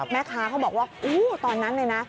แม่ค้าเขาบอกว่าอู้ตอนนั้นเนี่ยนะ